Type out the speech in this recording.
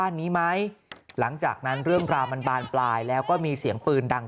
นี้ไหมหลังจากนั้นเรื่องราวมันบานปลายแล้วก็มีเสียงปืนดัง